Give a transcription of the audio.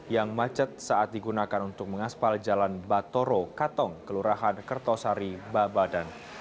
yang macet saat digunakan untuk mengaspal jalan batoro katong kelurahan kertosari babadan